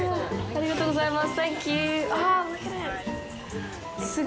ありがとうございます。